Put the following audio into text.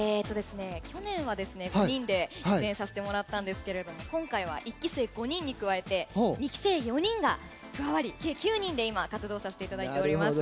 去年は５人で出演させてもらったんですが今回は一１期生５人に加えて２期生４人が加わり計９人で活動させていただいております。